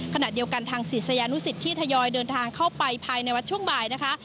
ขณะเดียวกันทางศิษยานุสิตที่ทยอยเดินทางเข้าไปภายในวัดช่วงบ่ายนะคะ